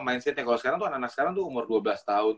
mindsetnya kalau sekarang anak anak sekarang umur dua belas tahun